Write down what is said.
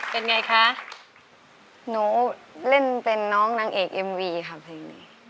เป็นไงคะหนูเล่นเป็นน้องนางเอกเอ็มวีค่ะเพลงนี้